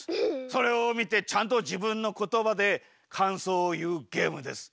それをみてちゃんとじぶんの言葉でかんそうを言うゲームです。